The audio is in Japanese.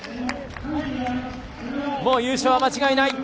もう優勝は間違いない。